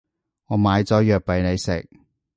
我買咗藥畀你食